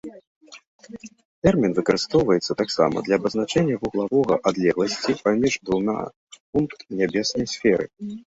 Тэрмін выкарыстоўваецца таксама для абазначэння вуглавога адлегласці паміж двума пункт нябеснай сферы.